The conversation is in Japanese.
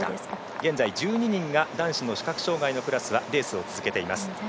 現在１２人が男子の視覚障がいのクラスはレースを続けています。